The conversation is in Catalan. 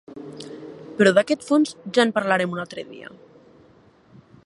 Però d’aquest fons ja en parlarem un altre dia.